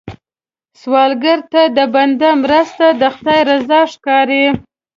سوالګر ته د بنده مرسته، د خدای رضا ښکاري